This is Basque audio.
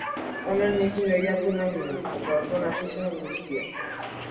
Onenekin lehiatu nahi nuen, eta orduan hasi zen guztia.